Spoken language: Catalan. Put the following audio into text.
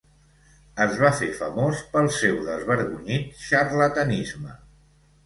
Es va fer famós pel seu desvergonyit xarlatanisme.